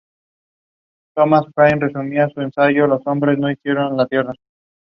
It presents three hundred products every year.